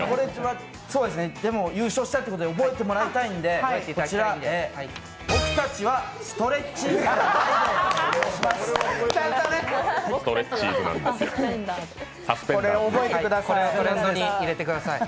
でも優勝したってことで覚えてもらいたいんで、こちら、「＃ぼくたちはストレッチーズじゃない」